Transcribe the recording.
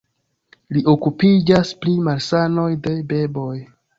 Li okupiĝas pri malsanoj de beboj.